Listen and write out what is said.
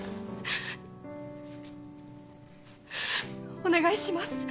お願いします。